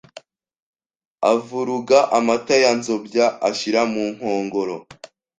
avuruga amata ya Nzobya ashyira mu nkongoro